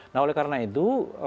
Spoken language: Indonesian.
nah oleh karena itu